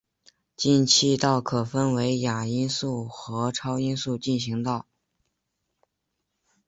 进气道可分为亚音速和超音速进气道。